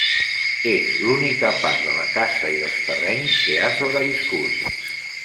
És l'única part de la casa i dels terrenys que ha sobreviscut.